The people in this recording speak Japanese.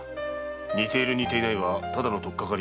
似ている似ていないは取っかかり。